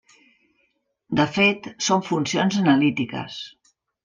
De fet, són funcions analítiques.